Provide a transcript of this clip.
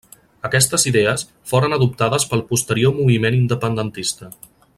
Aquestes idees foren adoptades pel posterior moviment independentista.